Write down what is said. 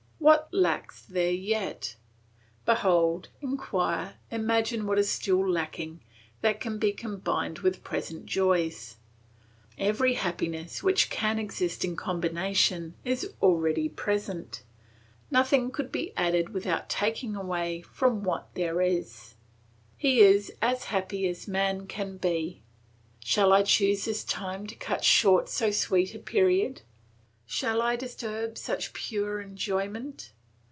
What lacks there yet? Behold, inquire, imagine what still is lacking, that can be combined with present joys. Every happiness which can exist in combination is already present; nothing could be added without taking away from what there is; he is as happy as man can be. Shall I choose this time to cut short so sweet a period? Shall I disturb such pure enjoyment?